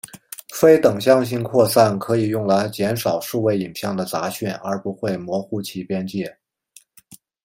非等向性扩散可以用来减少数位影像的杂讯而不会模糊其边界。